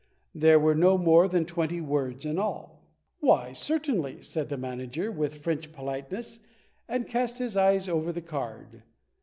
There were no more than twenty words in all. "Why, certainly," said the manager, with French politeness, and cast his eyes over the card.